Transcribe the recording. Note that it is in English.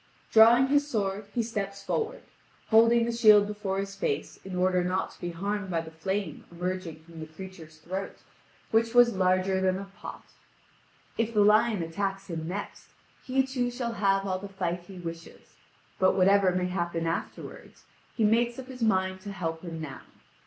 Drawing his sword he steps forward, holding the shield before his face in order not to be harmed by the flame emerging from the creature's throat, which was larger than a pot. If the lion attacks him next, he too shall have all the fight he wishes; but whatever may happen afterwards he makes up his mind to help him now.